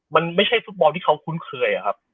มันไม่ใช่ฟุตบอลที่เขาคุ้นเคยอะครับ